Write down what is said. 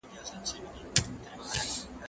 زه اوس موبایل کاروم!!